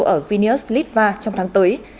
ở phineas litva trong tháng tới